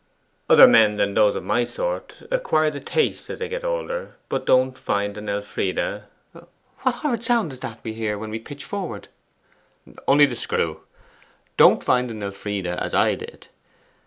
Other men than those of my sort acquire the taste as they get older but don't find an Elfride ' 'What horrid sound is that we hear when we pitch forward?' 'Only the screw don't find an Elfride as I did.